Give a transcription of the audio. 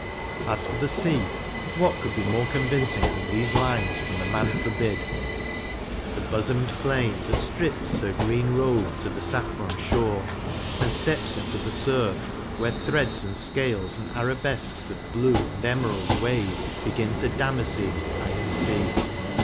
As for the sea, what could be more convincing than these lines from the "Man Forbid"? The bosomed plain That strips her green robe to the saffron shore, And steps into the surf, where threads and scales And arabesques of blue and emerald wave Begin to damascene the iron sea.